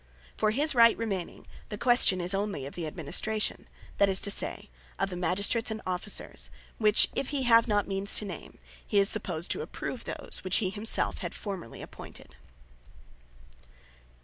For, his Right remaining, the question is only of the Administration; that is to say, of the Magistrates and Officers; which, if he have not means to name, he is supposed to approve those, which he himself had formerly appointed.